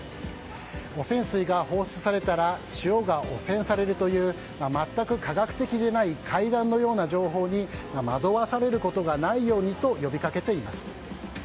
汚染水が放出されたら塩が汚染されるという全く科学的でない怪談のような情報に惑わされることがないようにと呼びかけています。